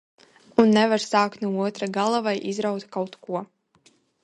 Un nevar sākt no otra gala vai izraut kaut ko.